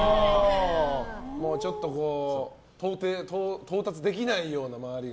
ちょっと到達できないような、周りが。